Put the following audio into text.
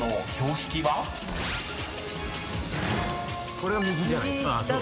これは右じゃないですか。